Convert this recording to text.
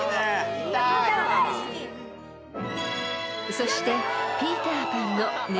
［そして］